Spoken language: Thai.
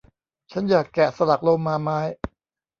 ฉันอยากแกะสลักโลมาไม้